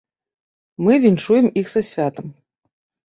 Мы віншуем іх са святам.